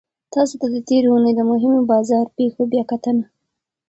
تاسو ته د تیرې اونۍ د مهمو بازار پیښو بیاکتنه